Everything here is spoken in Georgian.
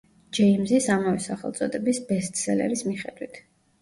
ჯეიმზის ამავე სახელწოდების ბესტსელერის მიხედვით.